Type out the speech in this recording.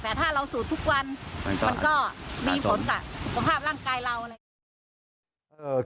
แต่ถ้าเราสูตรทุกวันมันก็มีผลกับสภาพร่างกายเรา